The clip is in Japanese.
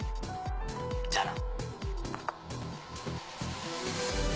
じゃあな。